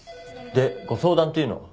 でご相談というのは？